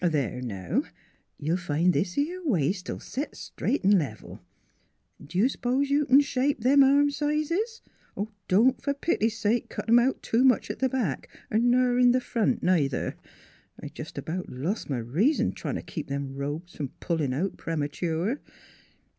There, now; you'll find this 'ere waist '11 set straight an' level. D'ye s'pose you c'n shape them arm sizes? Don't, fer pity sake, cut 'em out too much at th' back, ner in th' front, neither. I jest about lost m' rea son tryin' t' keep them robes from pullin' out premature."